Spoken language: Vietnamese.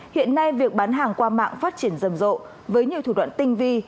hiện nay việc bán hàng qua mạng phát triển rầm rộ với nhiều thủ đoạn tinh vi